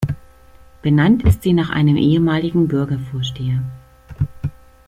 Benannt ist sie nach einem ehemaligen Bürgervorsteher.